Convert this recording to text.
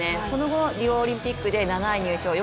その後、リオオリンピックで７位入賞。